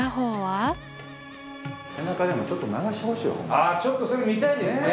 あちょっとそれ見たいですね。